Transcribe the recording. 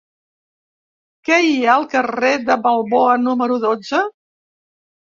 Què hi ha al carrer de Balboa número dotze?